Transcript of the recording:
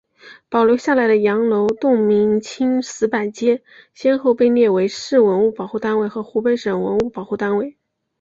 保留下来的羊楼洞明清石板街先后被列为市文物保护单位和湖北省文物保护单位。